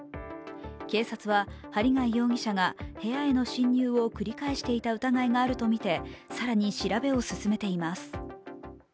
警察は針谷容疑者が部屋への侵入を繰り返していた疑いがあるとみて更に調べを進めています。